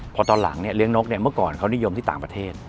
พอตอนหลังเนี่ยเลี้ยงนกเมื่อก่อนเขานิยมที่ต่างประเทศ